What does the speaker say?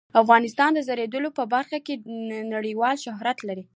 افغانستان د زردالو په برخه کې نړیوال شهرت لري.